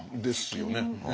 ですよね。